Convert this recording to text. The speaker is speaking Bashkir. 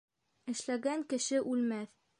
Эшләгән кеше үлмәҫ.